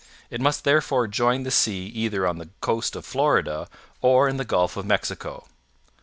It must therefore join the sea either on the coast of Florida or in the Gulf of Mexico.